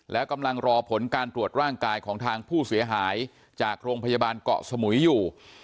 แล้วกำลังรอผลการตรวจร่างกายของทางผู้เสียหายจากโรงพยาบาลเกาะสมุยอยู่